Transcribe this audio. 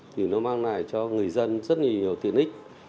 thì nó mang lại cho người dân rất nhiều tiện ích